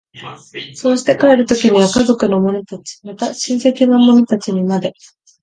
そうして帰る時には家族の者たち、また親戚の者たちにまで、